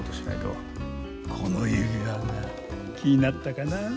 この指輪が気になったかな。